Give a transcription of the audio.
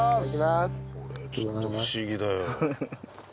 ちょっと不思議だよ。